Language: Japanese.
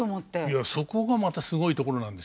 いやそこがまたすごいところなんですよ。